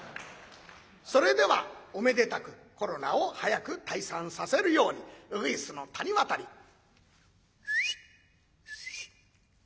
それではおめでたくコロナを早く退散させるように鶯の谷渡り。